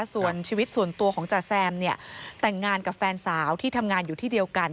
ส่วนชีวิตส่วนตัวของจ๋าแซมเนี่ยแต่งงานกับแฟนสาวที่ทำงานอยู่ที่เดียวกัน